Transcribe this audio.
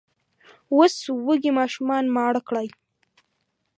اوس وږي ماشومان ماړه کړئ!